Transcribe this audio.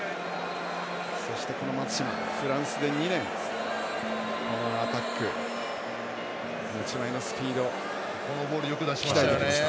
そして、松島フランスで２年アタック持ち前のスピードを鍛えてきました。